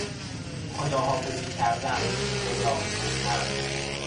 خداحافظی کردن، وداع گفتن